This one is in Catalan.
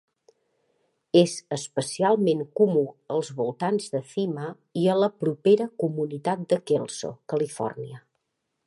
És especialment comú als voltants de Cima i a la propera comunitat de Kelso (Califòrnia).